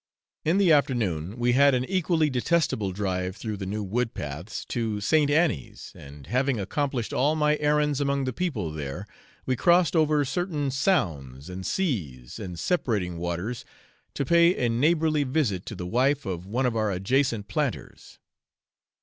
In the afternoon we had an equally detestable drive through the new wood paths to St. Annie's, and having accomplished all my errands among the people there, we crossed over certain sounds, and seas, and separating waters, to pay a neighbourly visit to the wife of one of our adjacent planters.